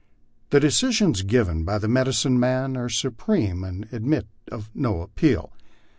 The decisions given by the medicine men are supreme, and admit of no appeal.